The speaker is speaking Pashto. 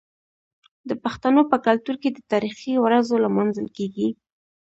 د پښتنو په کلتور کې د تاریخي ورځو لمانځل کیږي.